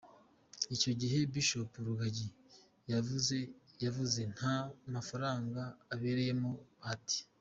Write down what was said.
Icyo gihe Bishop Rugagi yavuze nta mafaranga abereyemo Bahati.